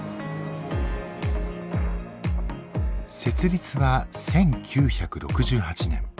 設立は１９６８年。